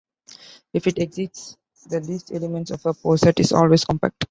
If it exists, the least element of a poset is always compact.